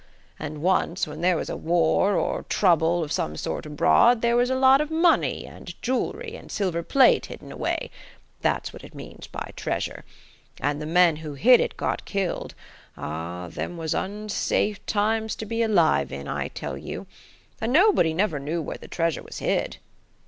And once, when there was a war or trouble of some sort abroad, there was a lot of money, and jewelery, and silver plate hidden away. That's what it means by treasure. And the men who hid it got killed–ah, them was unsafe times to be alive in, I tell you–and nobody never knew where the treasure was hid."